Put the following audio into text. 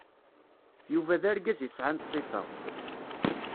Yuba d argaz yesɛan ṣṣifa.